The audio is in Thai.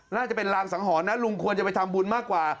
น่าจะเป็นรางสังหรณ์นะลุงควรจะไปทำบุญมากกว่า